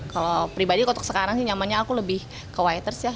kalau pribadi untuk sekarang sih nyamannya aku lebih ke waiters ya